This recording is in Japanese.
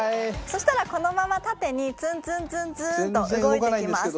そしたらこのまま縦にツンツンツンツンと動いていきます。